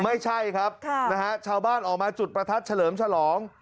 ไม่ใช่ครับนะฮะชาวบ้านออกมาจุดประทัดเฉลิมฉลอง